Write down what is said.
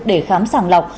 để khám sàng lọc